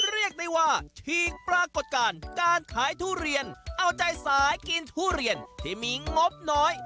เรียกได้ว่าฉีกปรากฏการณ์การขายทุเรียนเอาใจสายกินทุเรียนที่มีงบน้อย